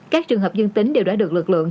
các trường hợp dương tính đều đã được lực lượng